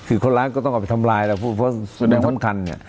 คือคนร้านก็ต้องเอาไปทำลายแล้วเพราะมันทั้งคันเนี่ย